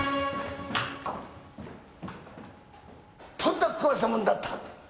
とんだ食わせもんだった！